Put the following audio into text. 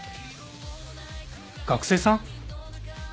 学生さん？